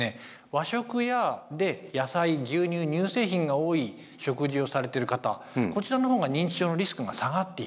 和食やで野菜牛乳・乳製品が多い食事をされてる方こちらの方が認知症のリスクが下がっている。